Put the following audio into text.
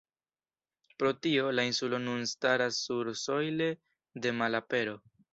Pro tio, la insulo nun staras sursojle de malapero.